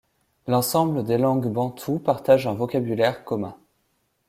L'ensemble des langues bantoues partage un vocabulaire commun.